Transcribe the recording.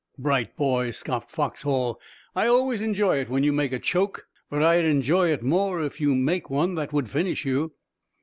"Bright boy," scoffed Foxhall. "I always enjoy it when you make a choke, but I'd enjoy it more if you'd make one that would finish you."